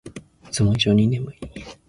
いつも以上に眠い